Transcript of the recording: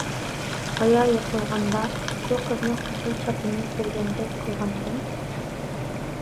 بايا يىقىلغاندا شۇ قىزنىڭ قىزىل چاپىنىنى كۆرگەندەك قىلغانتىم.